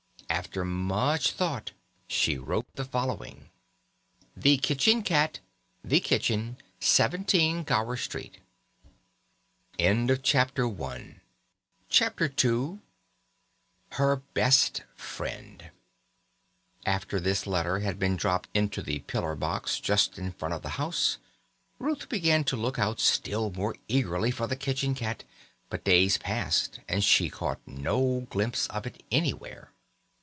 After much thought she wrote the following: THE KITCHEN CAT, The Kitchen, 17 Gower Street. CHAPTER II Her Best Friend After this letter had been dropped into the pillar box just in front of the house, Ruth began to look out still more eagerly for the kitchen cat, but days passed and she caught no glimpse of it anywhere.